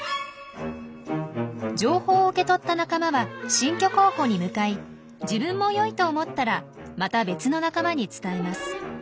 情報を受け取った仲間は新居候補に向かい自分も良いと思ったらまた別の仲間に伝えます。